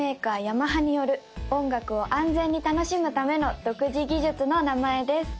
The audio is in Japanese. ヤマハによる音楽を安全に楽しむための独自技術の名前です